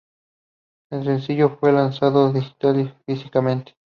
El sencillo fue lanzado digital y físicamente.